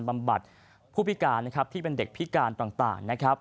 ปัมปัดผู้พิการที่เป็นเด็กพิการต่าง